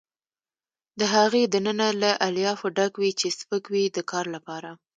د هغې دننه له الیافو ډک وي چې سپک وي د کار لپاره.